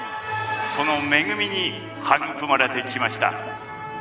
その恵みに育まれてきました。